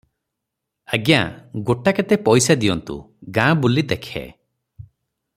ଆଜ୍ଞା ଗୋଟାକେତେ ପଇସା ଦିଅନ୍ତୁ, ଗାଁ ବୁଲି ଦେଖେ ।